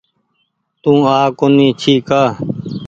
تو آ ڪونيٚ ڇي ڪآ۔